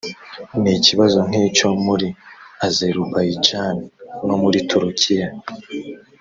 n ikibazo nk icyo muri azerubayijani no muri turukiya